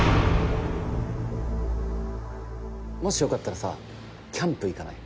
もし良かったらさキャンプ行かない？